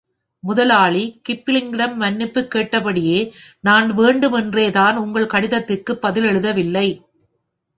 முதலாளி கிப்ளிங்கிடம் மன்னிப்புக் கேட்டபடியே நான் வேண்டும் என்றேதான் உங்கள் கடிதத்துக்குப் பதில் எழுதவில்லை.